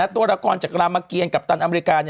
ตัวละครจากรามเกียรกัปตันอเมริกา